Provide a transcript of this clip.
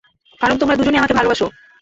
কারণ তোমরা দুজনেই আমাকে ভালোবাসো।